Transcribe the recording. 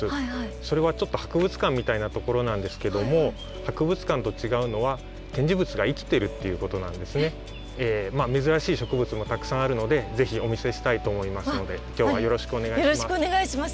それはちょっと博物館みたいなところなんですけども珍しい植物もたくさんあるのでぜひお見せしたいと思いますので今日はよろしくお願いします。